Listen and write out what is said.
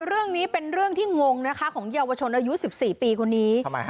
เรื่องนี้เป็นเรื่องที่งงนะคะของเยาวชนอายุสิบสี่ปีคนนี้ทำไมฮะ